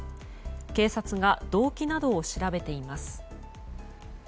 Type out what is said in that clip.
警察が動機などを調べています。